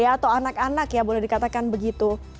atau anak anak ya boleh dikatakan begitu